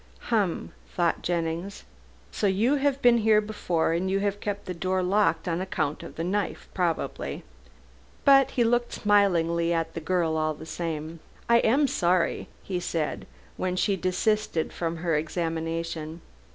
"Hum," thought Jennings, "so you have been here before and you have kept the door locked on account of the knife probably," but he looked smilingly at the girl all the time. "I am sorry," he said, when she desisted from her examination.